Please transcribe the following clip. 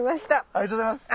ありがとうございます。